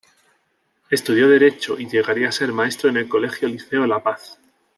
Estudió Derecho y llegaría a ser maestro en el colegio "Liceo "La Paz"".